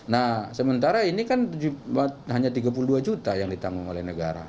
nah sementara ini kan hanya tiga puluh dua juta yang ditanggung oleh negara